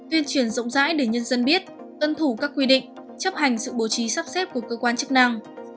tuyên truyền rộng rãi để nhân dân biết tuân thủ các quy định chấp hành sự bố trí sắp xếp của cơ quan chức năng